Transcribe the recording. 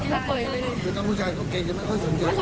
แต่ถ้าผู้ชายเค้าก็ไม่ค่อยสนใจ